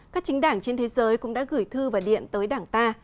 các chính đảng trên thế giới cũng đã gửi thư và điện tới đảng ta